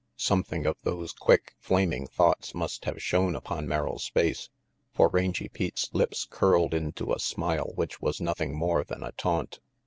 Something of those quick, flaming thoughts must have shown upon Merrill's face, for Rangy Pete's lips curled into a smile which was nothing more than a taunt.